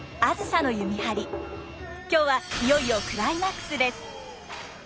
今日はいよいよクライマックスです。